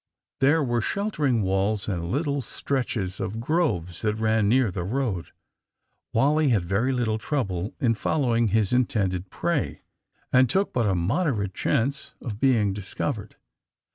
There were sheltering walls and little stretches of groves that ran near the road. Wally had very little trouble in following his intended prey, and took but a moderate chance of being discovered.